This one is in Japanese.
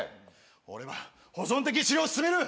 俺は保存的治療を勧める。